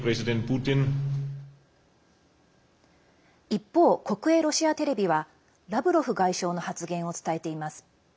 一方、国営ロシアテレビはラブロフ外相の発言を伝えています。